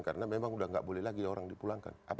karena memang udah gak boleh lagi orang dipulangkan